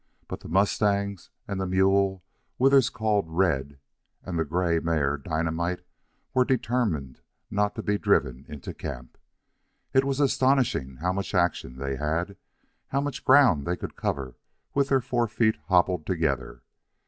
But the mustangs and the mule Withers called Red and the gray mare Dynamite were determined not to be driven into camp. It was astonishing how much action they had, how much ground they could cover with their forefeet hobbled together.